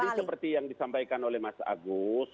tadi seperti yang disampaikan oleh mas agus